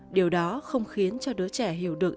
điều đó không khiến cho đứa trẻ hiểu được